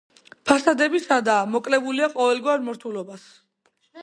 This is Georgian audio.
ფასადები სადაა, მოკლებულია ყოველგვარ მორთულობას.